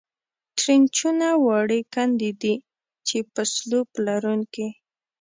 ټرینچونه وړې کندې دي، چې په سلوپ لرونکې.